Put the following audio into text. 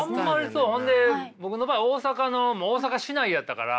そんで僕の場合大阪の大阪市内やったから。